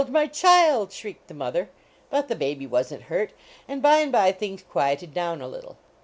my child!" shrieked the mother. But the baby wasn t hurt, and by and by things juieted down a little.